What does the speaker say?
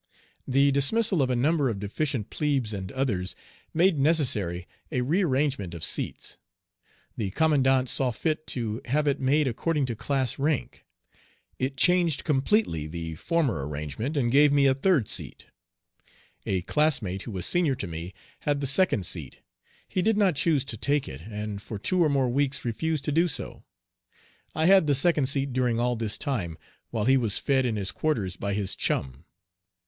The dismissal of a number of deficient plebes and others made necessary a rearrangement of seats. The commandant saw fit to have it made according to class rank. It changed completely the former arrangement, and gave me a third seat. A classmate, who was senior to me, had the second seat. He did not choose to take it, and for two or more weeks refused to do so. I had the second seat during all this time, while he was fed in his quarters by his chum.